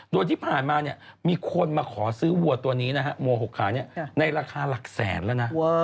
โดยที่ผ่านมีคนมาขอซื้อวัวตัวนี้มันมีราคาหลักแสนละนะ